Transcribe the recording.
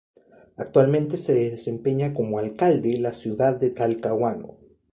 Actualmente se desempeña como alcalde la ciudad de Talcahuano.